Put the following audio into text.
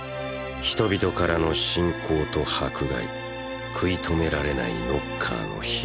人々からの信仰と迫害食い止められないノッカーの被害。